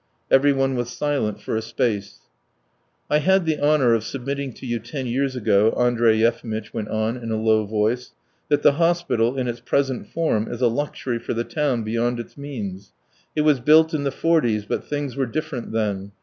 Everyone was silent for a space. "I had the honour of submitting to you ten years ago," Andrey Yefimitch went on in a low voice, "that the hospital in its present form is a luxury for the town beyond its means. It was built in the forties, but things were different then.